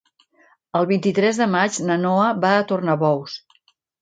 El vint-i-tres de maig na Noa va a Tornabous.